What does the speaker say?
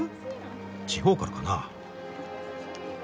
地方からかな。